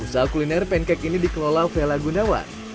usaha kuliner pancake ini dikelola vela gunawan